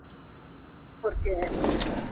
Ese mismo año, el grupo se disolvió.